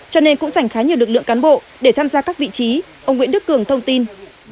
tham gia các vị trí ông nguyễn đức cường thông tin